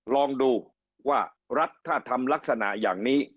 ลองดูว่ารัฐธรรมลักษณะอย่างนี้